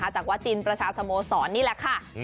จากวัดจินประชาสโมสรนี่แหละค่ะ